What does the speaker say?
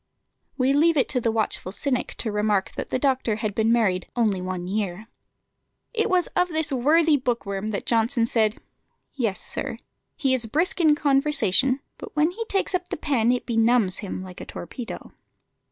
We leave it to the watchful cynic to remark that the doctor had been married only one year. It was of this worthy book worm that Johnson said "Yes, sir, he is brisk in conversation, but when he takes up the pen it benumbs him like a torpedo."